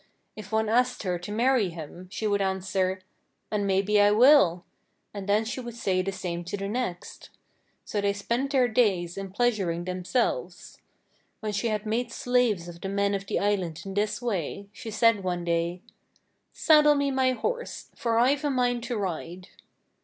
If one asked her to marry him she would answer, 'An' maybe I will,' and then she would say the same to the next. So they spent their days in pleasuring themselves. When she had made slaves of the men of the island in this way, she said one day: 'Saddle me my horse, for I've a mind to ride.'